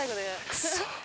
クソ！